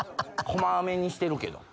こまめにしてるけど。